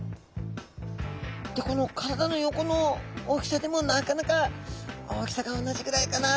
でこの体の横の大きさでもなかなか大きさが同じぐらいかな